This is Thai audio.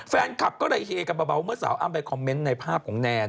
แฟนคลับก็เลยเฮกันเบาเมื่อสาวอ้ำไปคอมเมนต์ในภาพของแนน